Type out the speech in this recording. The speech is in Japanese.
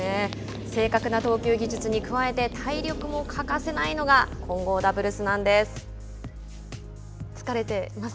正確な投球術に加えて体力も欠かせないのが混合ダブルスです。